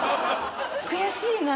悔しいな。